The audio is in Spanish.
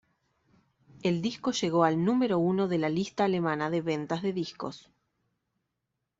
El disco llegó al número uno de la lista alemana de ventas de discos.